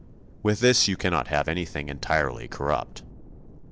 With this you cannot have anything entirely corrupt.